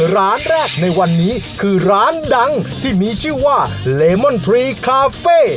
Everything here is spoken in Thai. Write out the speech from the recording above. ร้านแรกในวันนี้คือร้านดังที่มีชื่อว่าเลมอนทรีคาเฟ่